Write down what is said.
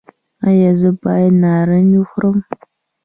ایا زه باید نارنج وخورم؟